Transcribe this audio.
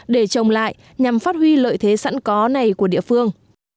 để trồng lại nhằm phát huy lợi thế sẵn có này của địa phương